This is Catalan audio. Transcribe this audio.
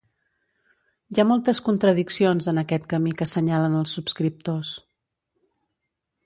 Hi ha moltes contradiccions en aquest camí que assenyalen els subscriptors.